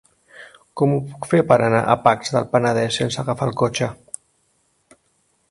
Com ho puc fer per anar a Pacs del Penedès sense agafar el cotxe?